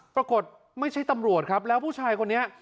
ปรากฏไม่ใช่ตำรวจครับแล้วผู้ชายคนนี้